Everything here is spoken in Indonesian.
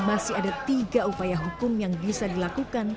masih ada tiga upaya hukum yang bisa dilakukan